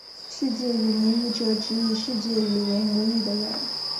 世界语母语者指以世界语为母语的人。